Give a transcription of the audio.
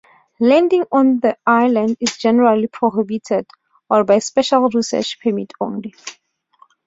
Landing on the islands is generally prohibited or by special research permit only.